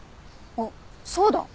あっそうだ。